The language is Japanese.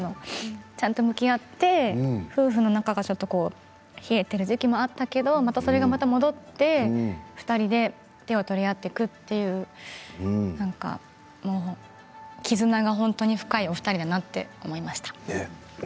ちゃんと向き合って夫婦の仲がちょっと冷えている時期があったけれどそれがまた戻って２人で手を取り合っていくという絆が本当に深いお二人だなと思いました。